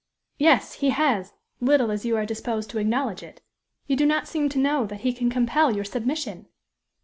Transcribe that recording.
"Yes; he has, little as you are disposed to acknowledge it. You do not seem to know that he can compel your submission!"